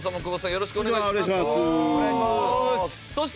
よろしくお願いします。